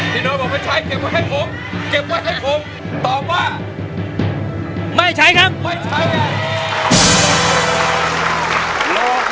พี่โน้ยบอกว่าใช้เก็บไว้ให้ผมเก็บไว้ให้ผม